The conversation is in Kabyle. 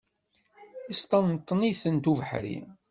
Yesṭenṭen-itent ubeḥri.